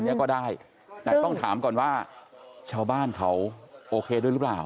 เนี้ยก็ได้แต่ต้องถามก่อนว่าชาวบ้านเขาโอเคด้วยหรือเปล่า